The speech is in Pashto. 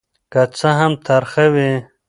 که څه هم ترخه وي.